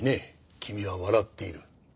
君は笑っている。